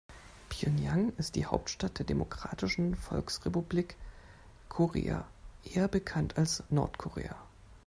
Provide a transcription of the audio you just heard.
Pjöngjang ist die Hauptstadt der Demokratischen Volksrepublik Korea, eher bekannt als Nordkorea.